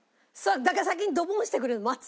だから先にドボンしてくれるの待つ。